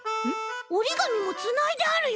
おりがみもつないであるよ。